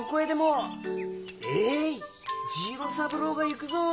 えい次郎三郎が行くぞ！